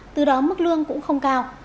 từ đó mức lương cũng không cao